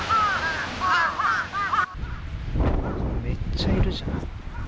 めっちゃいるじゃん。